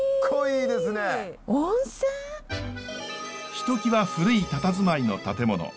ひときわ古いたたずまいの建物。